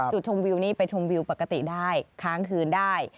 จุดชมวิวนี้ไปชมวิวปกติได้ค้างคืนได้